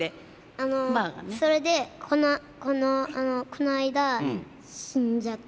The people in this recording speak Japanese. あのあのそれでこの間死んじゃって。